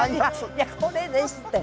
いやこれですって。